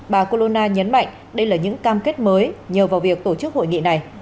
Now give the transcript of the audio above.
bà colonna nhấn mạnh đây là những cam kết mới nhờ vào việc tổ chức hội nghị này